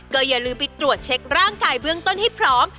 ก็อย่าลืมไปตรวจเช็คร่างกายเบื้องต้นให้พร้อม